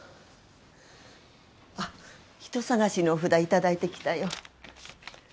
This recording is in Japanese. あっ人捜しのお札頂いてきたよ。